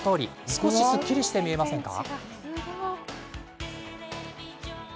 少しすっきりして見えませんか？